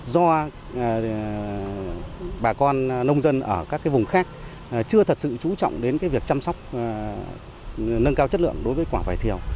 do bà con nông dân ở các vùng khác chưa thật sự trú trọng đến việc chăm sóc nâng cao chất lượng đối với quả vải thiều